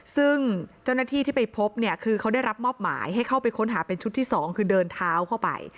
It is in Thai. ซึ่งเจ้าหน้าที่ที่ไปพบเนี่ยคือเขาได้รับมอบหมายให้เข้าไปค้นหาเป็นชุดที่๒คือเดินเท้าเข้าไป